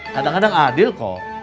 kadang kadang adil kok